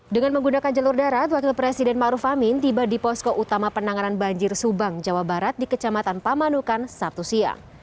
dengan menggunakan jalur darat wakil presiden maruf amin tiba di posko utama penanganan banjir subang jawa barat di kecamatan pamanukan sabtu siang